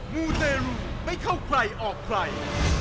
มูเตรูไม่เข้าใครออกใคร